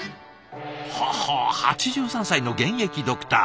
ほほう８３歳の現役ドクター。